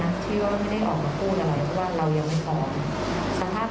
มันก็ไม่ได้เพราะทุกคนต้องรอมาลุ้มถามเรา